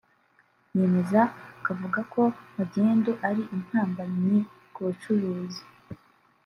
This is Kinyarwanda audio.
yemeza kavuga ko magendu ari intambamyi ku bucuruzi